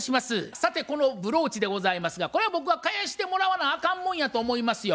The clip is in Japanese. さてこのブローチでございますがこれは僕は返してもらわなあかんもんやと思いますよ。